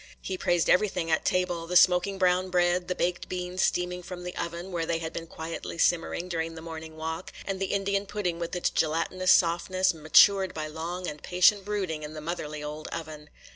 He praised everything at table,—the smoking brown bread, the baked beans steaming from the oven, where they had been quietly simmering during the morning walk, and the Indian pudding, with its gelatinous softness, matured by long and patient brooding in the motherly old oven.